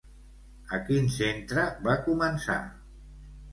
A quin centre va començar?